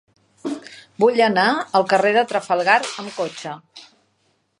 Vull anar al carrer de Trafalgar amb cotxe.